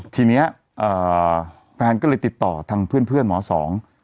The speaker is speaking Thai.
ทีนี้แฟนก็เลยติดต่อทางเพื่อนเพื่อนหมอสอง